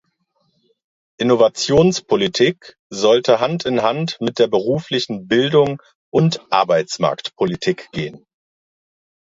Innovationspolitik sollte Hand in Hand mit der beruflichen Bildung und Arbeitsmarktpolitik gehen.